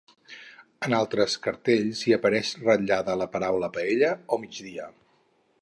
En altres cartells hi apareix ratllada la paraula paella o migdiada.